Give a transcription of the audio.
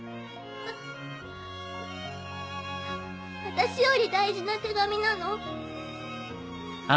私より大事な手紙なの？